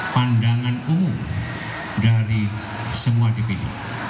pandangan umum dari semua dpd